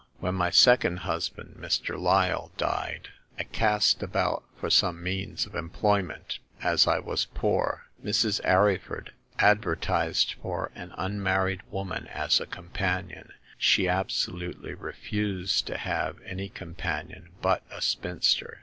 When my second husband, Mr. Lyle, died, I cast about for some means of employment, as I was poor. Mrs. Arryford ad vertised for an unmarried woman as a com panion ; she absolutely refused to have any com panion but a spinster.